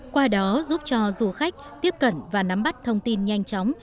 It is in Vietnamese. qua đó giúp cho du khách tiếp cận và nắm bắt thông tin nhanh chóng